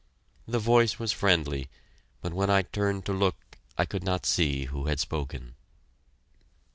The voice was friendly, but when I turned to look I could not see who had spoken.